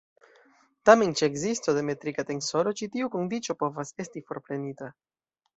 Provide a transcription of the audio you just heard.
Tamen ĉe ekzisto de metrika tensoro ĉi tiu kondiĉo povas esti forprenita.